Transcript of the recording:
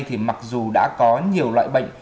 thì mặc dù đã có nhiều loại bệnh